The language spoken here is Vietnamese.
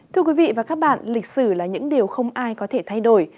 thưa quý vị và các bạn lịch sử là những điều không ai có thể thay đổi